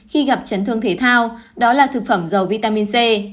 khi gặp chấn thương thể thao đó là thực phẩm dầu vitamin c